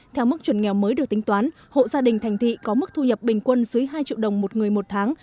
theo mức chuẩn nghèo mới được tính toán hộ gia đình thành thị có mức thu nhập bình quân dưới hai triệu đồng một người một tháng